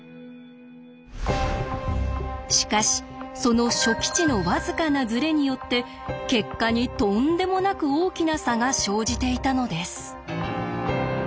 しかしその初期値のわずかなズレによって結果にとんでもなく大きな差が生じていたのです。